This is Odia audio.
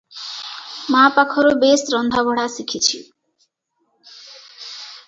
ମା ପାଖରୁ ବେଶ ରନ୍ଧାବଢ଼ା ଶିଖିଛି ।